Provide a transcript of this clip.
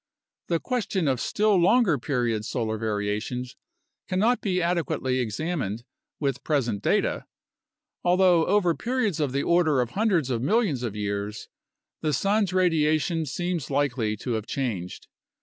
The question of still longer period solar variations cannot be adequately examined with present data, although over periods of the order of hundreds of millions of years the sun's radiation seems likely to have changed.